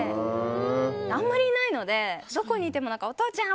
あまりいないので、どこにいてもお父ちゃん！